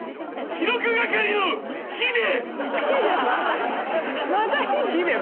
記録係のヒデ！